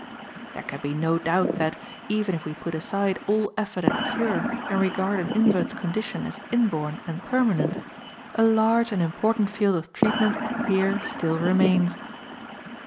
There can be no doubt that even if we put aside all effort at cure and regard an invert's condition as inborn and permanent a large and important field of treatment here still remains.